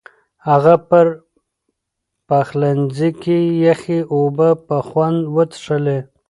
هغه په پخلنځي کې یخې اوبه په خوند وڅښلې.